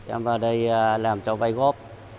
em vào đây làm cho vay góp